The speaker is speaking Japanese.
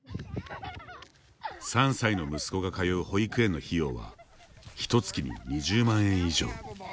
３歳の息子が通う保育園の費用はひと月に２０万円以上。